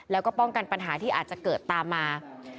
แล้วก็ป้องกันปัญหาที่อาจจะเกิดตามมา